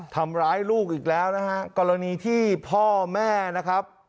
ทำร้ายลูกอีกแล้วนะฮะกรณีที่พ่อแม่นะครับ